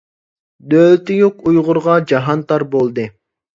دۆلىتى يوق ئۇيغۇرغا جاھان تار بولدى!